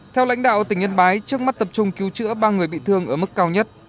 theo lãnh đạo tỉnh yên bái trước mắt tập trung cứu chữa ba người bị thương ở mức cao nhất